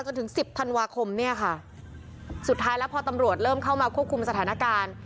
จนถึงสิบธันวาคมเนี่ยค่ะสุดท้ายแล้วพอตำรวจเริ่มเข้ามาควบคุมสถานการณ์